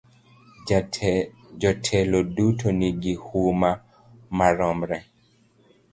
Jotelo duto nigi huma maromre.